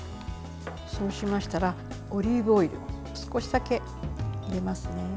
そうしましたら、オリーブオイル少しだけ入れますね。